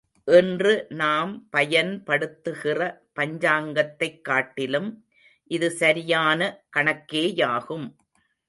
இன்று நாம் பயன்படுத்துகிற பஞ்சாங்கத்தைக் காட்டிலும் இது சரியான, கணக்கேயாகும்.